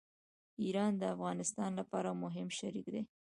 ایران د افغانستان لپاره مهم شریک دی.